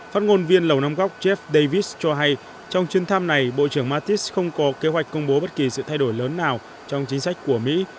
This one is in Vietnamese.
phát ngôn viên lầu năm góc davis cho hay trong chuyến thăm này bộ trưởng mattis không có kế hoạch công bố bất kỳ sự thay đổi lớn nào trong chính sách của mỹ